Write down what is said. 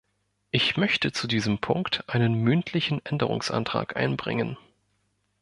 Ich möchte zu diesem Punkt einen mündlichen Änderungsantrag einbringen.